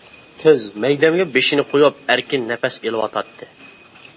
قىز مەيدەمگە بېشىنى قويۇپ ئەركىن نەپەس ئېلىۋاتاتتى.